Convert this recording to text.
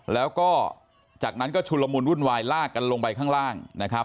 แล้วก็จากนั้นก็ชุลมุนวุ่นวายลากกันลงไปข้างล่างนะครับ